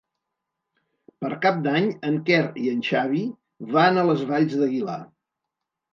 Per Cap d'Any en Quer i en Xavi van a les Valls d'Aguilar.